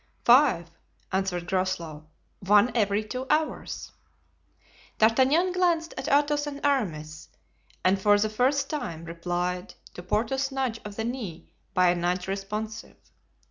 "Five," answered Groslow, "one every two hours." D'Artagnan glanced at Athos and Aramis and for the first time replied to Porthos's nudge of the knee by a nudge responsive.